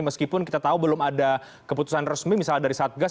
meskipun kita tahu belum ada keputusan resmi misalnya dari satgas